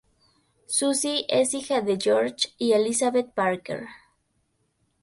Suzy es hija de George y Elizabeth Parker.